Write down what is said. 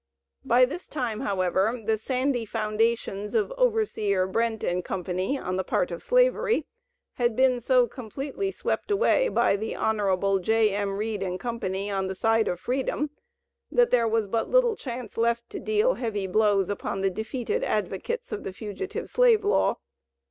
By this time, however, the sandy foundations of "overseer" Brent and Co., (on the part of slavery), had been so completely swept away by the Hon. J.M. Read and Co., on the side of freedom, that there was but little chance left to deal heavy blows upon the defeated advocates of the Fugitive Slave Law.